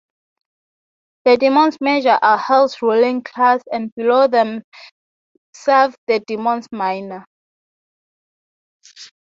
The Demons Major are Hell's ruling class, and below them serve the Demons Minor.